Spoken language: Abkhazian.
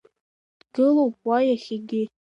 Дгылоуп уа иахьагьы.